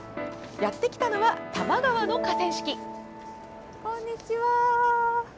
やってきたのは多摩川の河川敷。